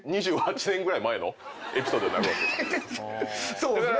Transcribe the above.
そうですね。